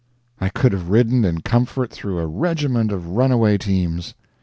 I could have ridden in comfort through a regiment of runaway teams.